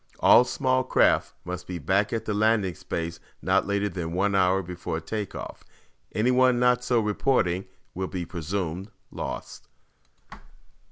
All small craft must be back at the landing space not later than one hour before take off. Anyone not so reporting will be presumed lost."